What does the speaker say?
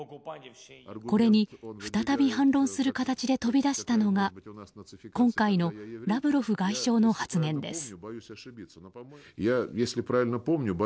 これに再び反論する形で飛び出したのが今回のラブロフ外相の発言です。